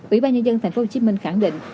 ủy ban nhân dân tp hcm khẳng định